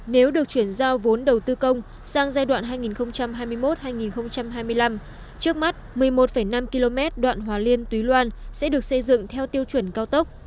nếu được chuyển giao vốn đầu tư công sang giai đoạn hai nghìn hai mươi một hai nghìn hai mươi năm trước mắt một mươi một năm km đoạn hòa liên túy loan sẽ được xây dựng theo tiêu chuẩn cao tốc